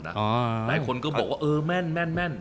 หลายคนก็บอกว่าเออแม่น